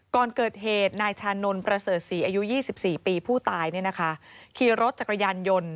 ก่อนเกิดเหตุนายชานนท์ประเสริฐสี่อายุยี่สิบสี่ปีผู้ตายนี่นะคะคีย์รถจากรยานยนต์